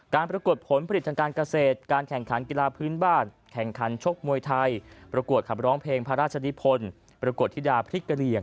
ปรากฏผลผลิตทางการเกษตรการแข่งขันกีฬาพื้นบ้านแข่งขันชกมวยไทยประกวดขับร้องเพลงพระราชนิพลประกวดธิดาพริกกระเหลี่ยง